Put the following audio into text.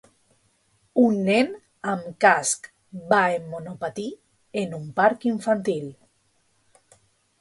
Un nen amb casc va en monopatí en un parc infantil